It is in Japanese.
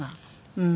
うん。